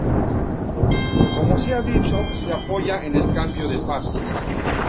Como se ha dicho, se apoya en el cambio de fase.